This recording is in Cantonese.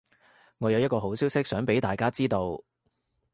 我有一個好消息想畀大家知道